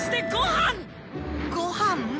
ごはん⁉